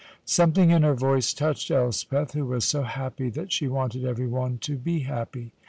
Something in her voice touched Elspeth, who was so happy that she wanted everyone to be happy.